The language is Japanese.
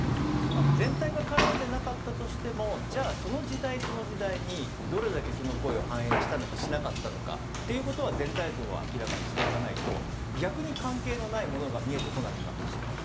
まあ全体が絡んでなかったとしてもじゃあその時代その時代にどれだけその声を反映したのかしなかったのかっていう事は全体像を明らかにしておかないと逆に関係のないものが見えてこなくなってしまうと思うんですよね。